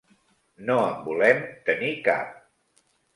No en volem tenir cap.